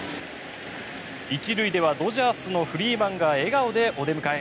１塁ではドジャースのフリーマンが笑顔でお出迎え。